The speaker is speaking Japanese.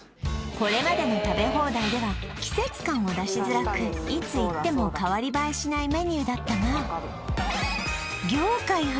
これまでの食べ放題では季節感を出しづらくいつ行っても代わり映えしないメニューだったが業界初！